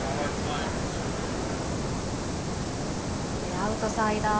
アウトサイダー